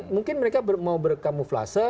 mungkin mereka mau berkamuflase